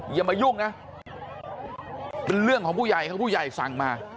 อย่ามายุ่งนะเป็นเรื่องของผู้ใหญ่เขาผู้ใหญ่สั่งมา